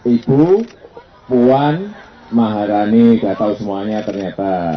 ibu puan maharani gatau semuanya